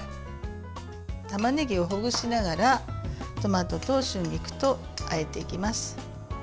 たまねぎをほぐしながらトマトと春菊と、あえていきます。